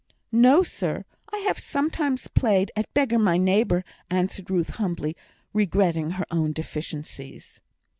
"No, sir; I have sometimes played at beggar my neighbour," answered Ruth, humbly, regretting her own deficiencies.